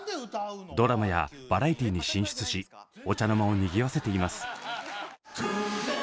ドラマやバラエティーに進出しお茶の間をにぎわせています。